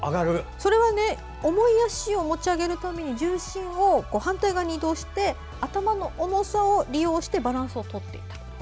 それは重い足を持ち上げるために重心を反対側に移動させて頭の重さを利用してバランスをとっていた。